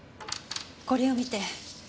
これを見て。